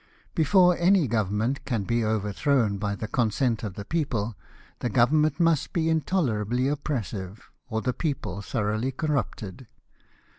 Before any Government can be overthrown by the consent of the people, the Government must be intolerably oppressive, or the people thoroughly corrupted.